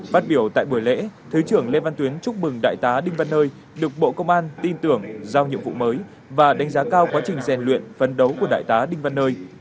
phát biểu tại buổi lễ thứ trưởng lê văn tuyến chúc mừng đại tá đinh văn ơi được bộ công an tin tưởng giao nhiệm vụ mới và đánh giá cao quá trình rèn luyện phân đấu của đại tá đinh văn nơi